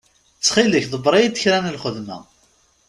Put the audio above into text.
Ttxil-k ḍebbeṛ-iyi-d kra n lxedma.